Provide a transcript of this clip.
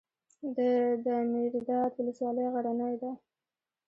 د دایمیرداد ولسوالۍ غرنۍ ده